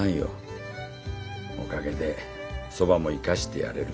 おかげでそばも生かしてやれる。